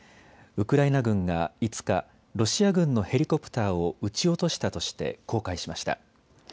ウクライナ軍が５日、ロシア軍のヘリコプターを撃ち落としたとして公開しました。